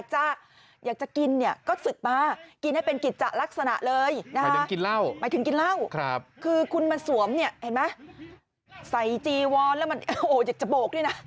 หมายถึงกินเหล้าคือคุณมันสวมนี่เห็นไหมใส่จีวอนแล้วมันโอ้อยากจะโบกด้วยนะ